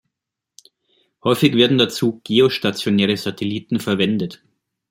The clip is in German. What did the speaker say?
Häufig werden dazu geostationäre Satelliten verwendet.